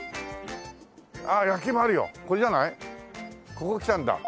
ここ来たんだ。